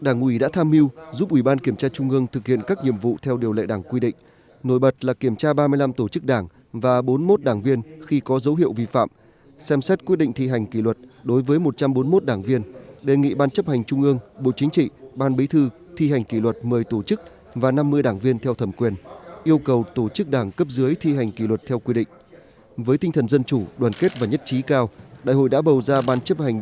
nhờ đó công tác kiểm tra giám sát và thi hành kỷ luật đảng đã đạt nhiều kết quả đáng khích lệ được ban chấp hành trung ương bộ chính trị ban bí thư đánh giá cao đảng viên và nhân dân tin tưởng đồng tình